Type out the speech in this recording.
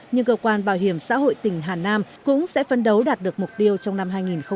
nhưng cơ quan bảo hiểm xã hội tỉnh hà nam cũng sẽ phân đấu đạt được mục tiêu trong năm hai nghìn hai mươi